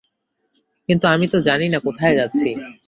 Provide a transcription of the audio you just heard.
কিন্তু আমি তো জানি না কোথায় যাচ্ছি।